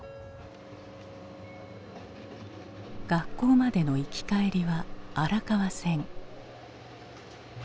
学校までの行き帰りは荒川線。